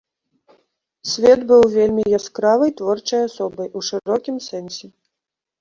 Свет быў вельмі яскравай творчай асобай, у шырокім сэнсе.